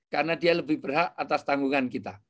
karena dia lebih berhak atas tanggungan kita